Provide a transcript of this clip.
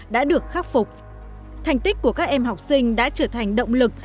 đã được khắc phục thành tích của các em học sinh đã trở thành động lực